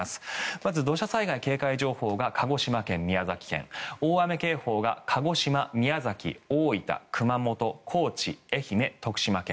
まず土砂災害警戒情報が鹿児島県、宮崎県大雨警報が鹿児島、宮崎、大分、熊本高知、愛媛、徳島県。